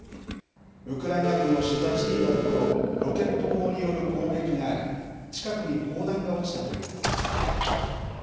ウクライナ軍を取材していたところ、ロケット砲による攻撃があり、近くに砲弾が落ちたということです。